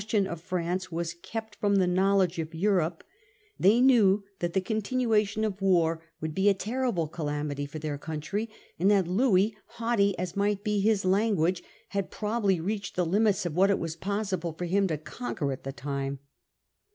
* tion of France was kept from the knowledge of Europe, they knew that the continuation of war would be a terrible calamity for their country, and that Louis, haughty as might be his language, had probably reached the limits of what it was possible for him to conquer at the time.